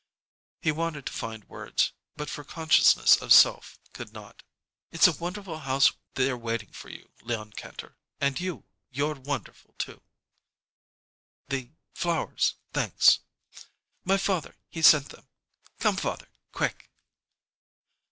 He wanted to find words, but for consciousness of self, could not. "It's a wonderful house out there waiting for you, Leon Kantor, and you you're wonderful, too!" "The flowers thanks!" "My father, he sent them. Come, father quick!"